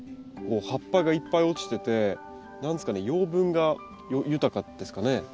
こう葉っぱがいっぱい落ちてて何ですかね養分が豊かですかね？